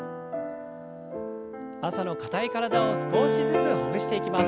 朝の硬い体を少しずつほぐしていきます。